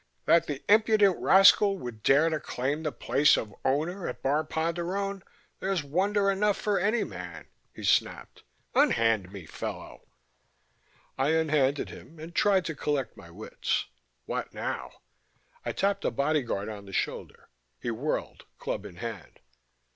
"That the impudent rascal would dare to claim the place of Owner at Bar Ponderone: there's wonder enough for any man," he snapped. "Unhand me, fellow!" I unhanded him and tried to collect my wits. What now? I tapped a bodyguard on the shoulder. He whirled, club in hand.